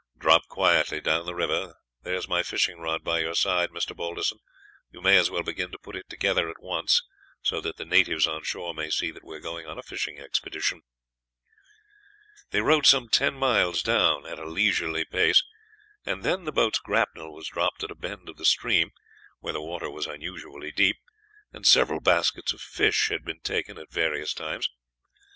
"Drop quietly down the river. There is my fishing rod by your side, Mr. Balderson; you may as well begin to put it together at once, so that the natives on shore may see that we are going on a fishing expedition." They rowed some ten miles down at a leisurely pace, and then the boat's grapnel was dropped at a bend of the stream, where the water was unusually deep, and several baskets of fish had been taken at various times.